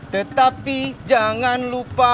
tetapi jangan lupa